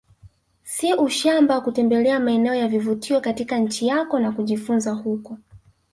Si ushamba kutembelea maeneo ya vivutio katika nchi yako na kujifunza huko